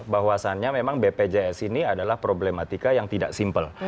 bahwasannya memang bpjs ini adalah problematika yang tidak simpel